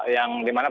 yang dimana pun